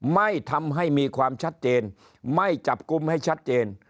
ไม่ทำให้มีความชัดเจนไม่จับกลุ่มให้ชัดเจน